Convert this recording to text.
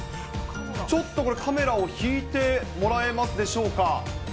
ちょっとこれ、カメラを引いてもらえますでしょうか。